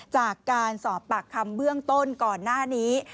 จากการสอบปากคำเบื้องต้นก่อนหน้านี้